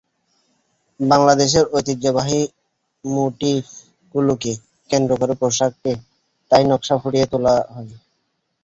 বাংলাদেশের ঐতিহ্যবাহী মোটিফগুলোকে কেন্দ্র করে পোশাকে তাই নকশা ফুটিয়ে তোলা হয়।